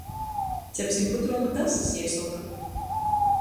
"Cepsim putruomu dasys," jei soka.